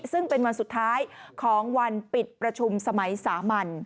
ซึ่งเป็นวันสุดท้ายของวันปิดประชุมสมัยสามัญ